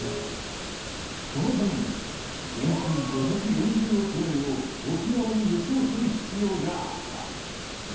そのためには現金５４０億円を沖縄に輸送する必要があった。